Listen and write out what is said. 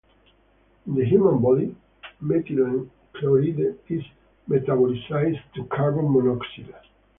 In the human body, methylene chloride is metabolized to carbon monoxide.